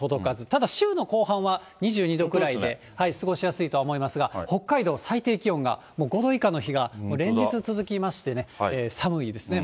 ただ週の後半は２２度くらいで、過ごしやすいとは思いますが、北海道、最低気温がもう５度以下の日が連日続きましてね、寒いですね。